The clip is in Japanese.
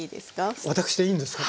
あっ私でいいんですか？